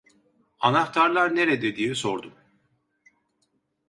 "Anahtarlar nerede?" diye sordum.